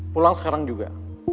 pulang sekarang juga